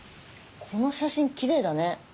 この写真きれいだね。